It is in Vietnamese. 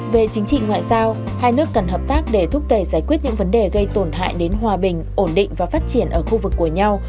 về chính trị ngoại giao hai nước cần hợp tác để thúc đẩy giải quyết những vấn đề gây tổn hại đến hòa bình ổn định và phát triển ở khu vực của nhau